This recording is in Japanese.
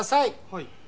はい。